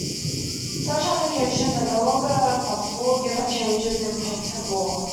Such applications are no longer possible, given changes in patent law.